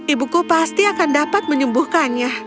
ibuku pasti akan dapat menyembuhkannya